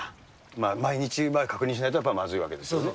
毎日確認しないとまずいわけですね？